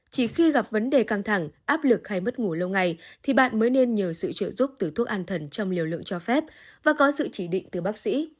chỉ khi gặp vấn đề căng thẳng áp lực hay mất ngủ lâu ngày thì bạn mới nên nhờ sự trợ giúp từ thuốc an thần trong liều lượng cho phép và có sự chỉ định từ bác sĩ